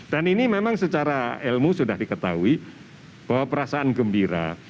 dan ini memang secara ilmu sudah diketahui bahwa perasaan gembira